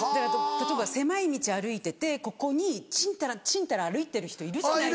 例えば狭い道歩いててここにちんたらちんたら歩いてる人いるじゃないですか。